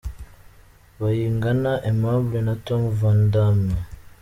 Bayingana Aimable na Tom Van Damme.